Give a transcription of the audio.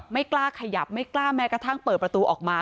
ไม่กล้าขยับไม่กล้าแม้กระทั่งเปิดประตูออกมา